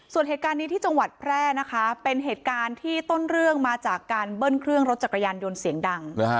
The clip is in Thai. ส่วนเหตุการณ์นี้ที่จังหวัดแพร่นะคะเป็นเหตุการณ์ที่ต้นเรื่องมาจากการเบิ้ลเครื่องรถจักรยานยนต์เสียงดัง